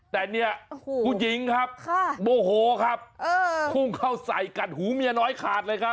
แต่เนี่ยผู้หญิงครับโมโหครับพุ่งเข้าใส่กัดหูเมียน้อยขาดเลยครับ